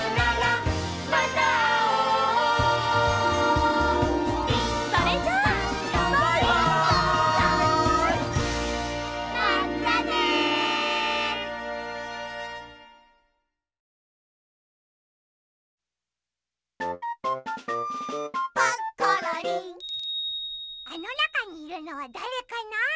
あのなかにいるのはだれかな？